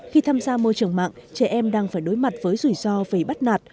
khi tham gia môi trường mạng trẻ em đang phải đối mặt với rủi ro về bắt nạt